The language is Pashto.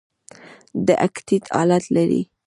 د اکتیت حالت لري.